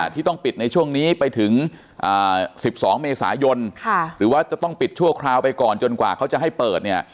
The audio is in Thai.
ที่ต้องปิดในช่วงนี้ไปถึง๑๒เมษายนหรือว่าจะต้องปิดชั่วคราวไปก่อนจนกว่าเขาจะให้เปิดเนี่ย